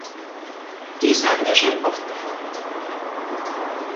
Dies haben wir schon oft gefordert.